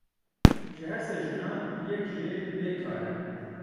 Ji her sê jinan yek jê bê kar e.